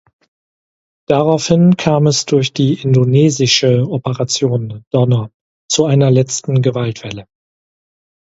Daraufhin kam es durch die indonesische Operation Donner zu einer letzten Gewaltwelle.